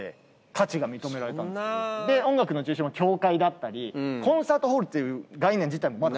音楽の中心も教会だったりコンサートホールっていう概念自体もまだ。